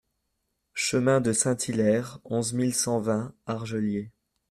Chemin de Saint-- Hillaire, onze mille cent vingt Argeliers